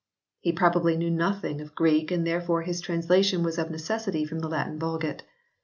He probably knew nothing of Greek and therefore his translation was of necessity from the Latin Vulgate.